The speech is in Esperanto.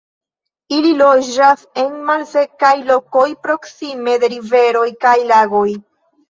Ili loĝas en malsekaj lokoj proksime de riveroj kaj lagoj.